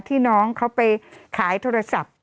น้องเขาไปขายโทรศัพท์